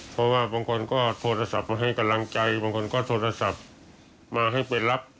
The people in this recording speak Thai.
เพราะว่าบางคนก็โทรศัพท์มาให้กำลังใจบางคนก็โทรศัพท์มาให้ไปรับ